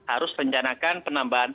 kita harus rencanakan penambahan